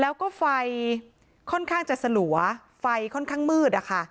แล้วก็ไฟค่อนข้างจะสลัวไฟค่อนข้างมืดอะค่ะ